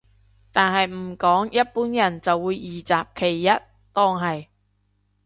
但係唔講一般人就會二擇其一當係